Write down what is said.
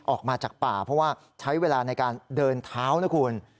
ออกมาจากป่าเพราะว่าใช้เวลาในการเดินเท้านะคุณ